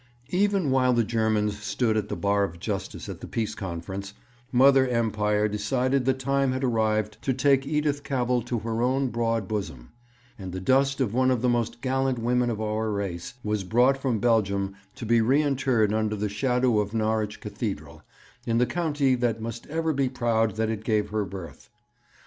Even while the Germans stood at the bar of justice at the Peace Conference, Mother Empire decided the time had arrived to take Edith Cavell to her own broad bosom; and the dust of one of the most gallant women of our race was brought from Belgium to be reinterred under the shadow of Norwich Cathedral, in the county that must ever be proud that it gave her birth.